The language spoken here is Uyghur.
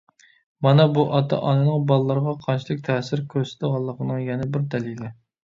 مانا بۇ ئاتا - ئانىنىڭ بالىلارغا قانچىلىك تەسىر كۆرسىتىدىغانلىقىنىڭ يەنە بىر دەلىلى.